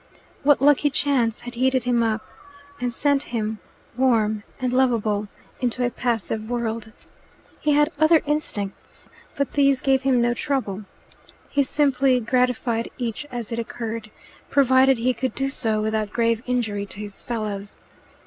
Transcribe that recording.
What lucky chance had heated him up, and sent him, warm and lovable, into a passive world? He had other instincts, but these gave him no trouble. He simply gratified each as it occurred, provided he could do so without grave injury to his fellows.